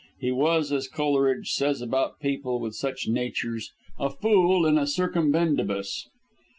He was, as Coleridge says about people with such natures, "a fool in a circumbendibus."